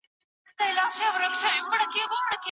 کارګه ږغ کړه چي